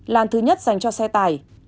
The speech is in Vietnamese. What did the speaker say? làn thứ nhất dành cho xe tải